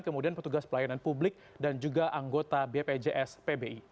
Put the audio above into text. kemudian petugas pelayanan publik dan juga anggota bpjs pbi